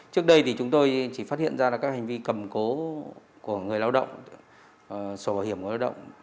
trước đây thì chúng tôi chỉ phát hiện ra là các hành vi cầm cố của người lao động sổ bảo hiểm của lao động